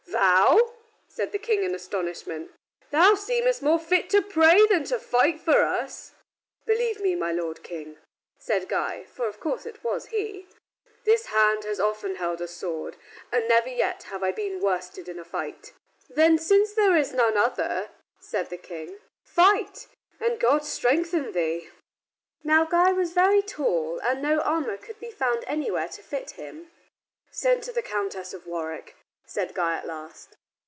"Thou," said the King in astonishment, "thou seemest more fit to pray than to fight for us." "Believe me, my Lord King," said Guy, for of course it was he, "this hand has often held a sword, and never yet have I been worsted in fight." "Then since there is none other," said the King, "fight, and God strengthen thee." Now Guy was very tall, and no armor could be found anywhere to fit him. "Send to the Countess of Warwick," said Guy at last.